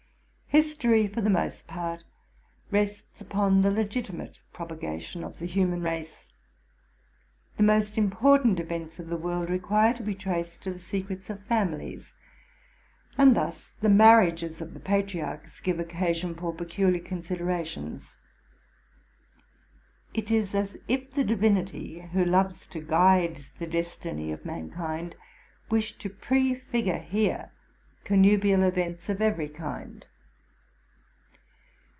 History, for the most part, rests upon the legitimate propa gation of the human race. The most important events of the world require to be traced to the secrets of families, and thus the marriages of the patriarchs give occasion for peculiar considerations. It is as if the Divinity, who loves to guide the destiny of mankind, wished to prefigme here connubial events of every kind.